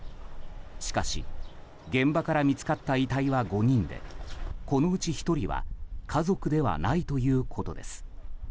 しかし現場から見つかった遺体は５人でこのうち１人は家族ではないということです。